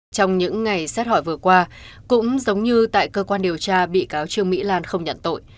trong những ngày xét hỏi vừa qua cũng giống như tại cơ quan điều tra bị cáo trương mỹ lan không nhận tội